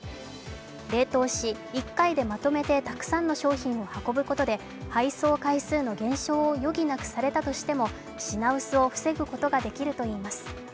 冷凍し、１回でまとめてたくさんの商品を運ぶことで配送回数の減少を余儀なくされたとしても品薄を防ぐことができるといいます。